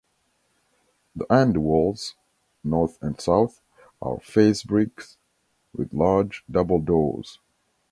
The end walls (north and south) are face brick with large double doors.